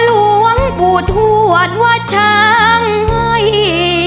ชนว่าหลวงปู่ทวดว่าช้างให้